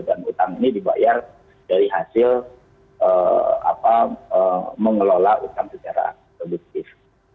dan utang ini dibayar dari hasil mengelola utang secara produktif